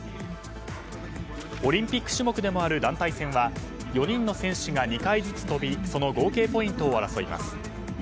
オリンピック種目でもある団体戦は４人の選手が２回ずつ飛びその合計ポイントを争います。